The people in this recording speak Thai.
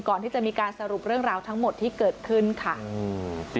ก่อนที่จะมีการสรุปเรื่องราวทั้งหมดที่เกิดขึ้นค่ะอืม